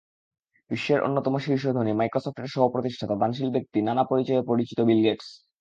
বিশ্বের অন্যতম শীর্ষ ধনী, মাইক্রোসফটের সহ-প্রতিষ্ঠাতা, দানশীল ব্যক্তি নানা পরিচয়ে পরিচিত বিল গেটস।